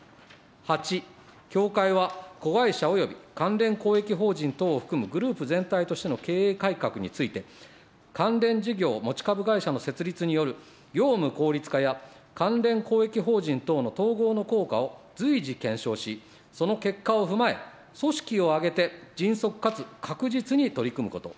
８、協会は、子会社および関連公益法人等を含むグループ全体としての経営改革について、関連事業持株会社の設立による業務効率化や関連公益法人等の統合の効果を随時検証し、その結果を踏まえ、組織を挙げて、迅速かつ確実に取り組むこと。